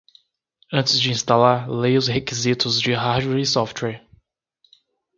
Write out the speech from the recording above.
Antes de instalar, leia os requisitos de hardware e software.